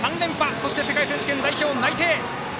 そして世界選手権、代表内定。